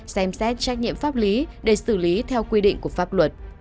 xem xét trách nhiệm pháp lý để xử lý theo quy định của pháp luật